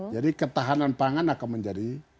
jadi ketahanan pangan akan menjadi